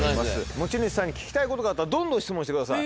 持ち主さんに聞きたいことがあったらどんどん質問してください。